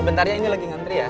bentar ya ini lagi ngantri ya